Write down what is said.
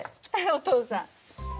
お父さん。